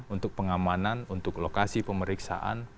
untuk pengamanan untuk lokasi pemeriksaan